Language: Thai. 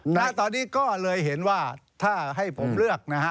แต่ตอนนี้ก็เลยเห็นว่าถ้าให้ผมเลือก